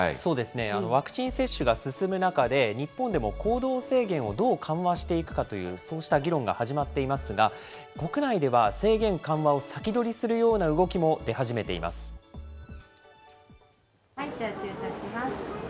ワクチン接種が進む中で、日本でも行動制限をどう緩和していくかという、そうした議論が始まっていますが、国内では制限緩和を先取りするような動きも出始じゃあ、注射します。